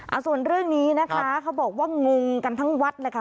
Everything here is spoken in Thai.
เอาส่วนเรื่องนี้นะคะเขาบอกว่างงกันทั้งวัดเลยค่ะ